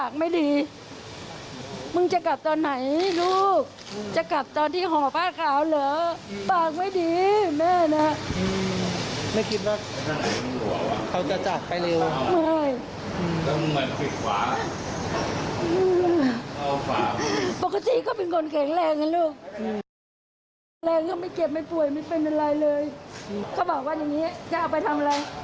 เขาบอกว่าอย่างนี้จะเอาไปทำอะไร